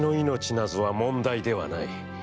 なぞは、問題ではない。